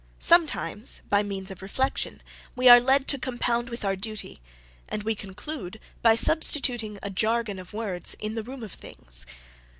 Sometimes, by means of reflection, we are led to compound with our duty, and we conclude, by substituting a jargon of words, in the room of things.